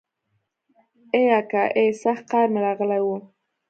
ای اکا ای سخت قار مې راغلی و.